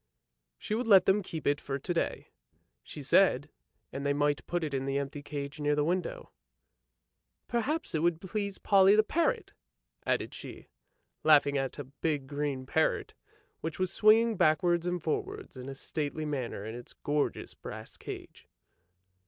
She would let them keep it for to day, she said, and they might put it in the empty cage near the window; " Perhaps it would please Polly parrot! " added she, laughing at a big green parrot which was swinging backwards and forwards in a stately manner in its gorgeous brass cage.